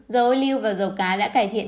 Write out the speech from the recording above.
dầu ô lưu và dầu cá đã cải thiện